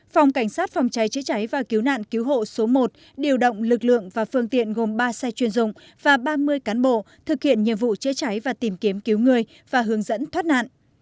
phòng cảnh sát phòng cháy chữa cháy và cứu nạn cứu hộ số một điều động lực lượng và phương tiện gồm ba xe chuyên dụng và ba mươi cán bộ thực hiện nhiệm vụ chữa cháy và tìm kiếm cứu người và hướng dẫn thoát nạn